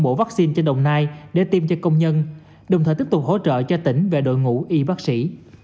mổ vaccine cho đồng nai để tiêm cho công nhân đồng thời tiếp tục hỗ trợ cho tỉnh về đội ngũ y bác sĩ